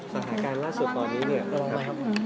สถานการณ์ล่าสุดตอนนี้เนี่ยยังไงครับ